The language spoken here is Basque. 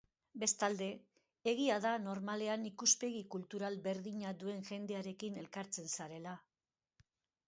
Bestalde, egia da normalean ikuspegi kultural berdina duen jendearekin elkartzen zarela.